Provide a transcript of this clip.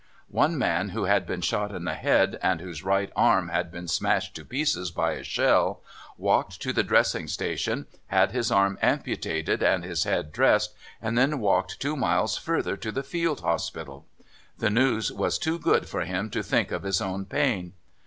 One man who had been shot in the head, and whose right arm had been smashed to pieces by a shell, walked to the dressing station, had his arm amputated and his head dressed, and then walked two miles further to the field hospital. The news was too good for him to think of his own pain.